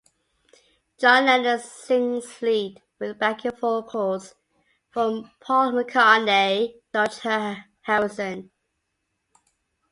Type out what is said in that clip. John Lennon sings lead, with backing vocals from Paul McCartney and George Harrison.